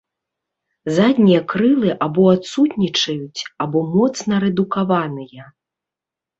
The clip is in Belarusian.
Заднія крылы або адсутнічаюць або моцна рэдукаваныя.